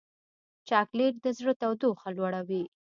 چاکلېټ د زړه تودوخه لوړوي.